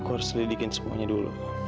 aku harus lidikin semuanya dulu